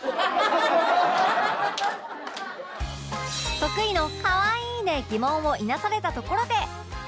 得意の「かわいい」で疑問をいなされたところで